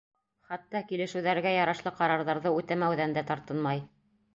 Хатта килешеүҙәргә ярашлы ҡарарҙарҙы үтәмәүҙән дә тартынмай.